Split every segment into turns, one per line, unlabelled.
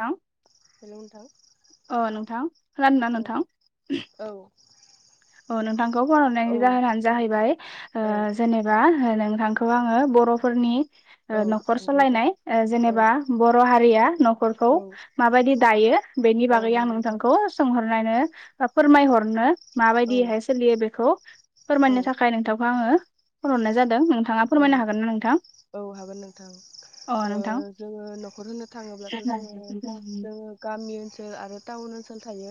थां
हेलौ नोंथां।
अ नोंथां खोनादोना
औ
नोंथां?
औ
अ नोंथांखौ फन
औ
हरनायनि जाहोनानो जाहैबाय
औ
जेनेबा नोंथां खौ आङो बर'फोरनि
औ
ओ न'खर
नंगौ नोंथां
सलायनाय ओ
औ
जेनेबा बर' हारिया न'खरखौ
औ
माबायदि दायो [unintelligible] बेनि
औ
बागै आं
नंगौ नोंथां
नोंथांखौ सोंहरनायनो। ओ फोरमायहरनो
औ
माबायदिहाय सोलियो बेखौ फोरमायनो
औ
थाखाय नोंथांखौ आङो। [unintelligible] नोंथाङा फोरमायनो हागोनना नोंथां?
औ हागोन नोंथां।
अ
ओ
नोंथां
जोङो न'खर होनो थाङोब्लाथ' जोङो जोङो गामि ओनसोल आरो टाउन ओनसोल थायो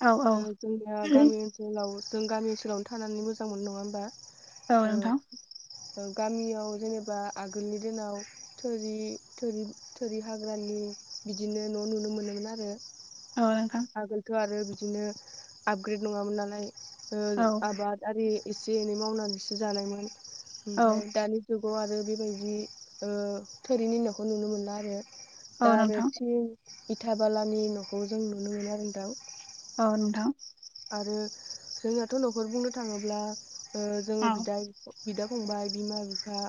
औ औ
ओ जोंनिया गामि ओनसोलाव। जों गामि ओनसोलावनो थानानै मोनो नङा ओमबा?
औ नोंथां।
ओ गामियाव जेनेबा आगोलनि दिनाव थोरि थोरि थोरि हाग्रानि। बिदिनो न' नुनो मोनोमोन आरो।
औ नोंथां
आगोलथ' आरो बिदिनो आपग्रेड नङामोन नालाय। ओ
औ
आबाद आरि एसे एनै मावनानैसो जानायमोन
औ
ओमफ्राय दानि जुग। [unintelligible] आरो बेबायदि ओ थोरिनि नखौ नुनो मोनला आरो।
औ
दा आरो
नोंथां
थिं इथाबालानि न'खौ जों नुनो मोनो आरो दाउ।
अ नोंथां।
आरो जोंनियाथ' न'खर बुंनो थाङोब्ला ओ
औ
जोङो बिदा बिफं फंबाय बिमा बिफा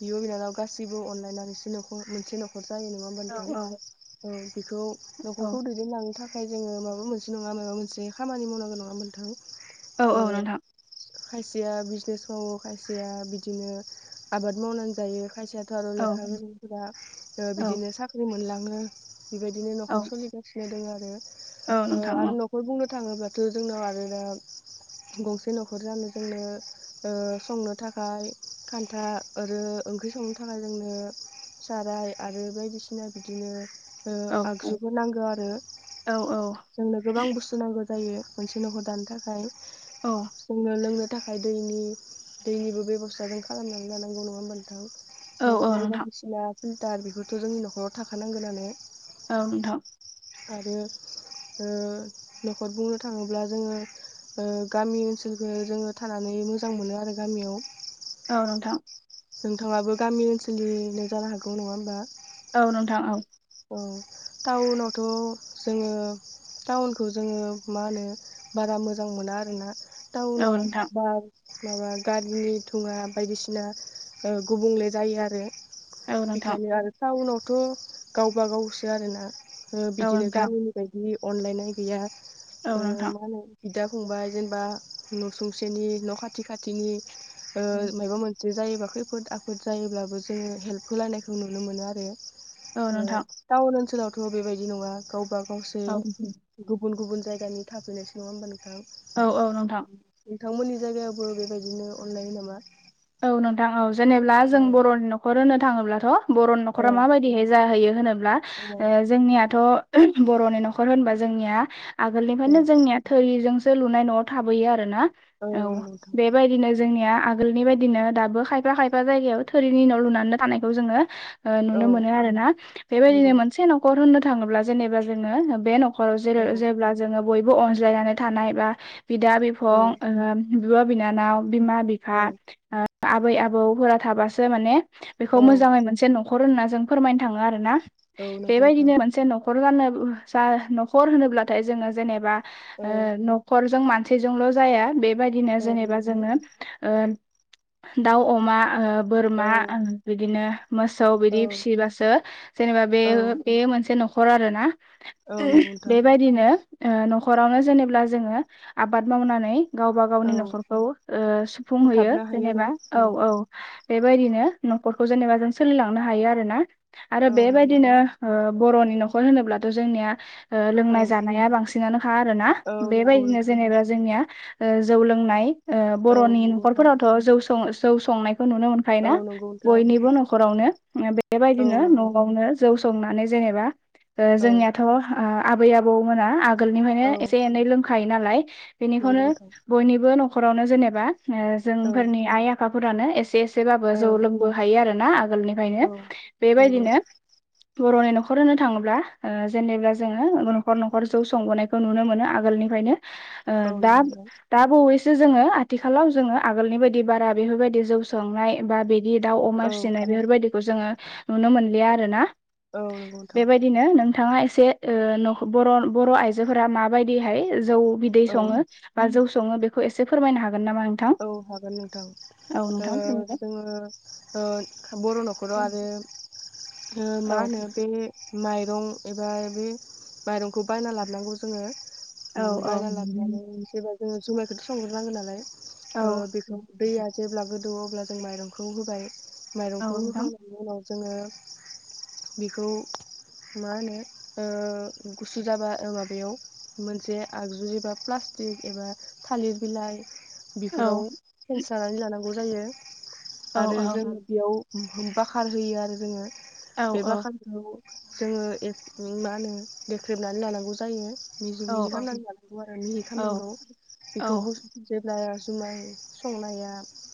बिब बिनानाव गासैबो अनलाइना मोनसे नखर। जायो नङा
औ
नोंथां
औ
बेखौ
औ
नखरखौ दैदेनलांनो थाखाय। नाथाय जोंङो माबा मोनसे नङा माबा मोनसे खामानि मावनांगौ नङा नोंथां।
औ
ओ
औ नोंथां।
खायसेया बिजनेस मावो खायसेया बिदिनो आबाद मावनानै जायो खायसेया। थ
औ
लेखा गोरोंफोरा
औ
बिदिनो साख्रि मोनलांङो। बेबायदिनो
औ
नखर सोलिगासिनो दङ आरो
औ नोंथां
आरो
औ
नखर बुंनो थाङोब्ला। दा जोंनाव आरो दा। गंसे न'खर जानो जोंनो संनो थाखाय खान्था आरो। ओंख्रि संनो थाखाय जोंनो साराय आरो बायदिसिना बिदिनो।
औ
आगजुबो नांगौ आरो जोंनो गोबां बुस्थु नांगौ जायो। मोनसे नखर दानो थाखाय।
औ
जोंनो लोंनो थाखाय दैनि दैनिबो बेबस्था जों खालामनानै लानांगौ नङा होमबा
औ
नोंथां।
औ
दंखल
नोंथां
बायदिसिना फिल्टार बेफोरथ जोंनि न'खराव थाखानांगोनानो।
औ नोंथां
आरो न'खर बुंनो थाङोब्ला जोंङो। गामि ओनसोलख जोंङो थानानै मोजां मोनो आरो गामियाव।
औ नोंथां।
नोंथाङाबो गामि ओनसोलनिनो जानो हागौ नङा होमबा।
औ नोंथां औ।
औ टाउनावथ जोंङो। टाउनखौ जोंङो मा होनो बारा मोजां मोना आरोना
औ
टाउनाव
नोंथां
बा। माबा गारिनि थुंङा बायदिसिना गुबुंले जायो आरो।
औ
बेखायनो आरो टाउनावथ गावबा गावसो आरोना। बिदिनो
नोंथां
गामिनि बायदि अनलायनाय गैया
औ नोंथां औ नोंथां
मा होनो बिदा। फंबाय जेनेबा न सुंसेनि न खाथि खाथिनि माबा मोनसे जायोबा। खैफोद आफोद जायोब्लाबो जोंङो हेल्प होलायनायखौ नुनो मोनो आरो।
औ नोंथां
टाउन ओनसोलावथ' बेबायदि नङा गावबा -गावसो
औ
गुबुन गुबुन। जायगानि थाफैनाय सुबुं नङा होनबा नोंथां?
औ औ नोंथां
नोंथांमोननि जायगायावबो बेबायदिनो अनलायो नामा?
औ नोंथां औ जेनेबा
औ
जों बर'नि नखर होननो थाङोब्लाथ' बर'
औ
नखरा माबायदिहै जाहैयो होनोब्ला
औ
जोंनियाथ' बर'नि नखर होनबा जोंनिया
औ
आगोलनिफ्रायनो जोंनि थोरिजों लुनाय नआव थाबोयो आरो ना औ
नंगौ नोंथां
बेबायदिनो जोंनिया आगोलनिबादि बिदिनो दाबो खायफा -खायफा जायगायाव थोरिनि न' लुनानै थानायखौ जोंङो
औ
नुनो मोनो आरो ना। बेबायदिनो
नंगौ
मोनसे नखर होननो थाङोब्ला जेनेबा जोंङो बे नखर
औ
नखराव जेब्ला जोंङो बयबो अनज्लायनानै थानाय बा बिदा-
औ
बिफं ओ बिब' -बिनानाव, बिमा -बिफा,
औ
आबै -आबौफोरा थाबासो माने बेखौ
औ
मोजांङै मोनसे नखर होनना जों फोरमायनो थांङो आरो ना
औ नंगौ नोंथां
बेबायदिनो मोनसे नखर नखर जानो-जा-नखर होनोब्लाथाय जोंङो जेनेबा
औ
नखरजों [unintelligible] [unintelligible] जाया बेबायदिनो
औ नंगौ
जेनेबा
नोंथां
जोंङो ओ दाउ, अमा ओ
औ
बोरमा बिदिनो मोसौ बिदि फिसिबासो जेनेबा
औ
बे-बे मोनसे नखर। नखर आरोना
औ नंगौ नोंथां
बेबायदिनो ओ नखरावनो जेनेबा जोंङो आबाद मावनानै गावबा
औ
-गावनि नखरखौ सुफुंहोयो
बुंथाबनो हायो आरो
जेनेबा औ औ। बेबायदिनो नखरखौ जेनेबा जों सोलिलांनो हायो आरो ना आरो
औ नंगौ
बेबायदिनो
नोंथां
ओ बर'नि नखर होनोब्लाथ' जोंनिया
औ
लोंनाय -जानाया बांसिनानोखा आरो ना
औ नंगौ
बेबायदिनो
नोंथां
जेनेबा जोंनिया जौ लोंनाय ओ
औ
बर'नि
नंगौ नोंथां
नखरफोरावथ जौ सं-जौ संनाय नुनो
औ
मोनखायोना
नंगौ
मोनोना
नोंथां
बयनिबो नखरावनो
औ
बेबायदिनो
नंगौ
नआवनो जौ संनानै जेनेबा, जोंनियाथ' ओ आबै -आबौ मोना
औ
आगोलनिफ्रायनो एसे- एनै लोंखायो नालाय,
नंगौ
बेनिखौनो
नोंथां
बयनिबो न'खरावनो जेनेबा ओ
औ
जोंफोरनि आइ- आफाफोरानो एसे एसेबाबो जौ
औ
लोंबो खायो आरो ना। आगोलनिफ्रायनो,
औ नंगौ
बेबायदिनो बर'नि न'खर होनो थाङोब्ला, ओ जेनेब्ला जोङो न'खर -न'खर जौ संबोनायखौ नुनो मोनो आगोलनिफ्रायनो।
औ
दा
नंगौ नोंथां
-दा बावैसो जोङो आथिखालाव जोङो आगोलनि बायदि बारा बेफोरबायदि जौ संनाय बा बिदि दाउ, अमा
औ
फिसिनाय बेफोरबायदिखौ जोङो नुनो मोनलिया आरोना।
औ नंगौ नोंथां
बेबायदिनो नोंथाङा एसे से ओ न बर' बर' आइजोफोरा माबायदिहाय जौ बिदै
औ
सङो, बा जौ सङो बेखौ एसे फोरमायनो हागोन नामा नोंथां?
औ हागोन नोंथां‌।
औ
ओ
नोंथां फोरमायलाय
जोङो ओ बर' न'खराव आगोल ओ
औ
मा होनो बे माइ [unintelligible] एबा बै माइरंखौ बायना लाबोनांगौ जोङो।
औ
बायना लाबोनानै जेबा जोङो जुमायखौथ' संग्रोनांगोन नालाय।
औ
बेखौ दैया जेब्ला गो [unintelligible] अब्ला जों माइरंखौ होबाय।
औ
माइरंखौ
नोंथां
होखांनायनि उनाव जोङो बेखौ मा होनो ओ गुसु जाबा माबायाव, मोनसे आगजु जबा प्लास टिग एबा थालिर बिलाइ
औ
बेफोराव फोनसानानै लानांगौ जायो।
औ
आरो जोङो बेयाव बाखार होयो आरो जोङो।
औ
बे
औ
बाखारखौ जोङो ए मा होनो देख्रेबनानै लानांगौ जायो। मिजि-
औ
मिजि
औ
खालामनानै लानांगौ आरो मिजि खालामनांगौ।
औ
बेखौबो
औ औ
गु जुमनाय संनाया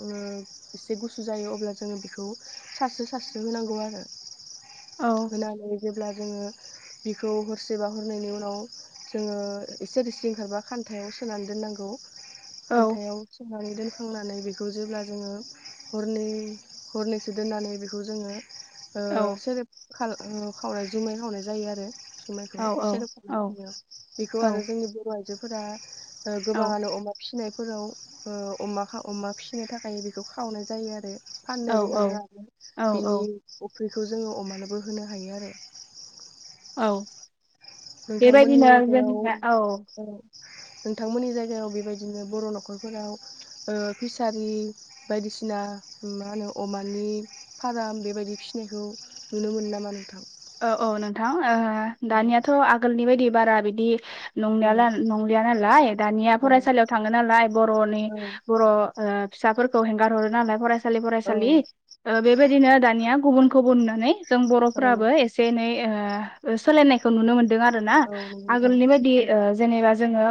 ओ एसे गुसु जायो अबला जोङो बेखौ सासे [unintelligible] होनांगौ आरो।
औ
होनानै जेब्ला जोङो बिखौ हरसेबा हरनायनि उनाव जोङो एसे रोसि ओंखारबा खान्थायाव सोनानै दोननांगौ।
औ
खान्थायाव सोनानै दोन खांनानै बेखौ जेब्ला जोङो हरनै हरनैसो दोननानै बेखौ जोङो ओ सेरेब खावनाय जुमाय खावनाय जायो आरो। माइखौ।
औ
सेरेब खालामनानै जायो। बेखौ आरो जोंनि बर' आइजोफोरा गोबाङानो अमा फिसिनायफोराव, ओ अमा फिसिनो थाखाय बेखौ खावनाय जायो आरो।
औ
फाननोबो मोनो आरो
औ
बिनि अफ्रि बेखौ जोङो अमानोबो होनो हायो आरो।
औ,
नोंथांमोननि
बेबायदिनो
जायगायाव
जोंनिया औ।
नोंथांमोननि जायगायाव बेबायदिनो बर' न'खरफोराव ओ फिसारि बायदिसिना मा होनो अमानि फाराम बेबायदि फिसिनायखौ नुनो मोनो नामा नोंथां?
औ औ नोंथां। ओ दानियाथ' आगोलनि बायदि बारा बिदि
औ
नंनायाला नंलिया नालाय, दानिया
औ
फरायसालियाव थाङो नालाय, बर'नि
औ
बर' फिसाफोरखौ हेंगार हरो नालाय फरायसालि फरायसालि। ओ बेबायदिनो दानिया गुबुनखौबो नुनानै जों
औ
बर'फोराबो एसे एनै ओ सोलायनायखौ नुनो मोन दों आरोना
औ नंगौ नोंथां
आगोलनि बायदि ओ जेनेबा जोङो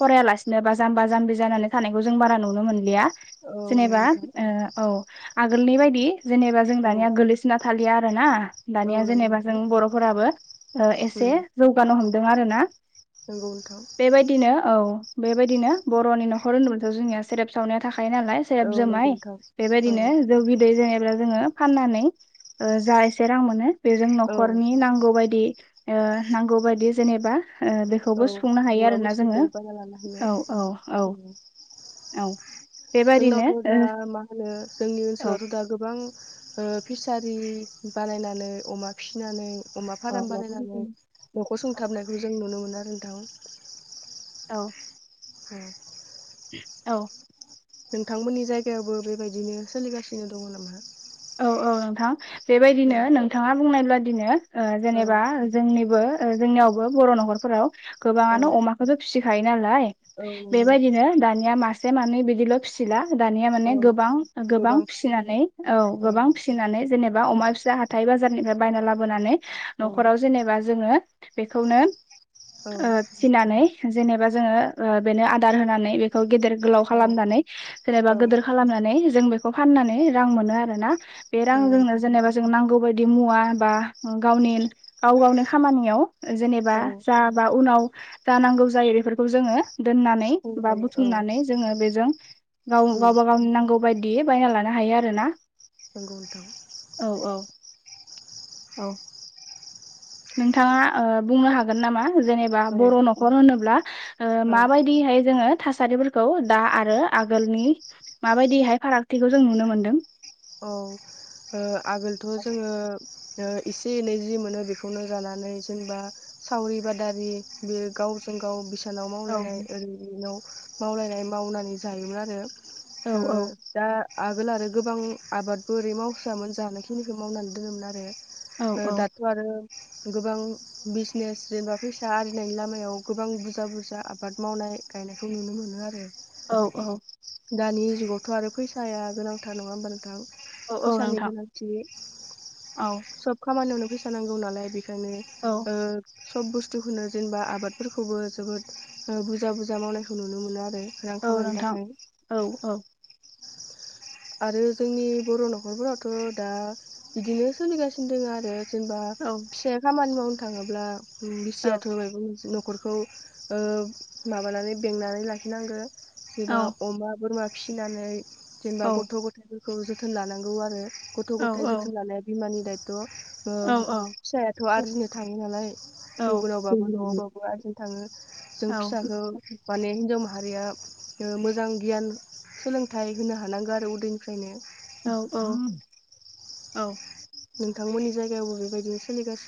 फरायालासिनो बा जाम्बा जाम्बि जानानै थानायखौ जों बारा नुनो मोनलिया।
औ नंगौ
जेनेबा,
नोंथां
औ आगोलनि बायदि जेनेबा जों
औ
दानिया गोगलैसोना थालिया आरो आरो ना। दानिया
औ नंगौ
जेनेबा
नोंथां
जों बर'फोराबो एसे
उम
जौगानो हमदों आरो ना।
नंगौ नोंथां
बेबायदिनो औ। बेबायदिनो बर'नि न'खर होनदोंबाथ' जोंनिया सेरेब सावनाया थाखा खायो नालाय सेराब
औ नंगौ
जोमाय,
नोंथां औ
बेबायदिनो जौ बिदै जेनेब्ला जोङो फाननानै जा एसे रां मोनो बेजों
औ
न'खरनि नांगौ बायदि ओ नांगौ बायदि जेनेबा ओ बेखौबो
औ
सुफुंनो हायो
मुवा
आरोना जोङो
बुस्थुखौ बायना लाना होयो
औ औ औ
उम
औ बेबादिनो
जोंनावथ दा मा होनो जोंनि
ओ
ओनसोलावथ दा गोबां ओ फिसारि बानायनानै अमा फिनानै अमा
औ
फाराम
औ
बानायनानै न'खौ
औ
सुंथाबनायखौ जों नुनो मोनो आरो नोंथां
औ
उम
औ
नोंथांमोननि जायगायावबो बेबायदिनो सोलिगासिनो दङ नामा?
औ औ नोंथां
औ
बेबायदिनो नोंथाङा बुंनायब्ला दिनो ओ
औ
जेनेबा जोंनिबो ओ जोंनियावबो बर' न'खरफोराव
औ
गोबाङानो अमाखोथ' फिसिखायो नालाय
औ नंगौ
बेबायदिनो दानिया मास से मानै बिदिल फिसिला दानिया माने
औ
गोबां गोबां फिसिनानै औ गोबां फिसिनानै जेनेबा अमा फिसा हाथाय बाजारनिफाय बायना लाबोनानै
औ
न'खराव जेनेबा जोङो बेखौनो
औ
ओ फिनानै
नोंथां
जेनेबा जोङो ओ बेनो आदार होनानै बेखौ गेदेर गोलाव
औ
खालामनानै जेनेबा
औ
गोदोर खालामनानै जों बेखौ फाननानै रां मोनो आरो ना बे
नंगौ
रांजोंनो
नोंथां
जेनेबा जों नांगौ बायदि मुवा बा गावनि गाव गावनो खामानियाव जेनेबा
औ
जा बा उनाव जानांगौ जायो बेफोरखौ जोङो दोननानै
सुफुंनो
बा
हायो औ
बुथुमनानै जोङो बेजों गाव
उम
गाबा गावनि नांगौ बायद इ बायना लानो हायो आरोना
नोंगौ नोंथां
औ औ औ नोंथाङा ओ बुंनो हागोन नामा? जेनेबा बर'
औ
न'खर होनोब्ला ओ
औ
माबायदिहाय जोङो थासारिफोरखौ दा आरो आगोलनि मा बायदिहाय फारागथिखौ जों नुनो मोनदों?
औ ओ आगोलथ' जोङो ओ एसे एनै जि मोनो बेखौनो जानानै जेनबा सावरि बादारि बि गावजों गाव सानाव
औ
मावलायनाय ओरै इनाव मावलायनाय मावनानै जायोमोन आरो।
औ
ओ दा आगोल आरो गोबां आबादबो ओरै मावसोआमोन जानाय खिनिखौ मावनानै दोनोमोन
औ
आरो दाथ' आरो गोबां बिजनेस जेनबा फैसा आरिनायनि लामायाव गोबां बुरजा बुरजा आबाद मावनाय गायनायखौ नुनो मोनो आरो।
औ औ
दानि जुगावथ' आरो फैसाया गोनांथार नङा होमबा नोंथां?
औ औ
फैसानि
नोंथां
गोनांथि
औ
सब खामानियावनो फैसा नांगौ नालाय बिख जोंनि
औ
ओ सब बुस थुखोनो जेनबा आबादफोरखौबो जोबोद ओ बुरजा बुरजा मावनायखौ नुनो मोनो आरो। रां
औ
खामायनो
नोंथां
थाखाय
औ औ
आरो जोंनि बर' न'खरफोरावथ' दा बिदिनो सोलिगासिनो दोङो आरो। जेनबा
औ
फिसाया खामानि मावनो थाङोब्ला उम
औ
बिसियाथ' मायबा मोनसे नख खरखौ ओ माबानानै बेंनानै लाखिनांगो
औ
जेबा अमा बोरमा फिसिनानै जेनबा
औ
गथ' गथायफोरखौ जोथोन लानांगौ आरो। गथ'
औ
गथाय जोथोन लानाया बिमानि दायथ'
औ
ओ फिसायाथ' आरजिनो थाङो नालाय गुबुनावबाबो न'आवबाबो आरजिनो थाङो। जों फिसाखो माने हिनजाव माह हारिया ओ मोजां गियान सोलोंथाइ होनो हानांगौ आरो उदैनिफ्रायनो।
औ औ औ
नोंथांमोननि जायगायावबो बेबायदिनो सोलिगास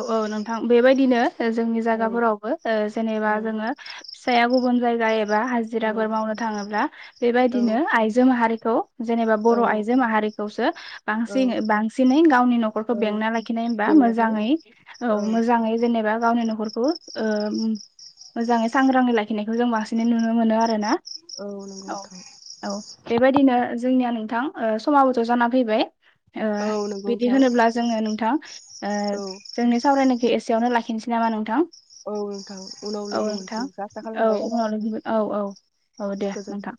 औ औ नोंथां बेबायदिनो जोंनि
औ
जागाफोरावबो जेनेबा
औ
जोङो फिसाया गुब [unintelligible]
औ
हाजिराफोर मावनो थाङोब्ला बेबायदिनो आइजो माहारिखौ जेनेबा
औ
बर' आइजो माहारि।
औ
बांसिनै गावनि न'खरखौ
औ
बेंना लाखिनाय होनबा
जेंनायखाय
मोजाङै औ मोजाङै जेनेबा गावनि न'खर मोजाङै सांग्राङै लाखिनायखौ जों बांसिनै नुनो मोनो आरो ना?
नंगौ
औ
नोंथां
औ बेबायदिनो। जोंनिया नोंथां समाबोथ' जाना फैबाय।
औ नंगौ
बिदि
नोंथां
होनोब्ला जोङो नोंथां
औ
जोंनि सावरायनायखौ एसेयावनो लाखिनोसै नामा नोंथां?
औ नोंथां उनाव
औ
लोगो
नोथां
मोनफिनगोनखौ आसा
औ
खालामबाय
उनाव लोगो औ औ दे
गोजोन्थों।
नोंथां।